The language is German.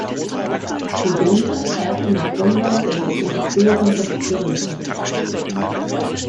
Die Günser kehrten nach Ungarn und in ihre früheren Positionen zurück.